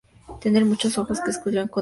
tener muchos ojos que escudriñen con detalle